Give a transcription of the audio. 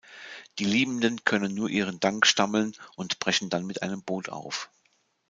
Die Liebenden können nur ihren Dank stammeln, und brechen dann mit einem Boot auf.